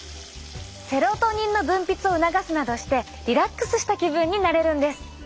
セロトニンの分泌を促すなどしてリラックスした気分になれるんです！